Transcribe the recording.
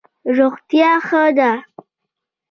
روغتیا ښه ده.